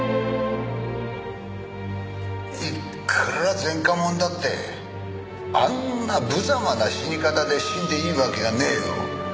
いくら前科者だってあんな無様な死に方で死んでいいわけがねえよ。